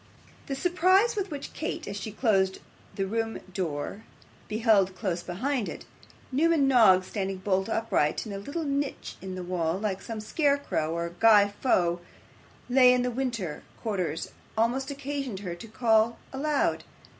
The surprise with which Kate, as she closed the room door, beheld, close beside it, Newman Noggs standing bolt upright in a little niche in the wall like some scarecrow or Guy Faux laid up in winter quarters, almost occasioned her to call aloud.